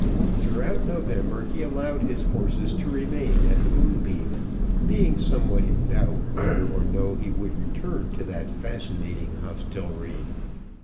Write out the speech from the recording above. Throughout November he allowed his horses to remain at the Moonbeam, being somewhat in doubt whether or no he would return to that fascinating hostelrie.